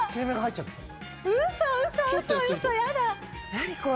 何これ？